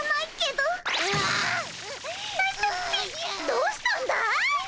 どうしたんだい？